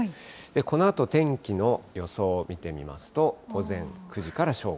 このあと、天気の予想を見てみますと、午前９時から正午。